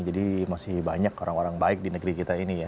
jadi masih banyak orang orang baik di negeri kita ini ya